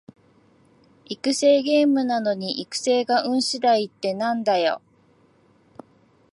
育成ゲームなのに育成が運しだいってなんだよ